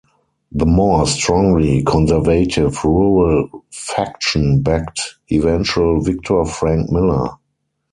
The more strongly conservative rural faction backed eventual victor Frank Miller.